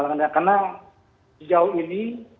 karena sejauh ini